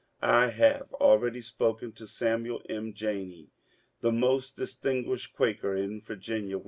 I have already spoken of Samuel M. Janney, the most dis tinguished Quaker in Virginia.